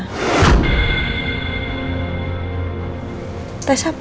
ternyata dia lagi nangis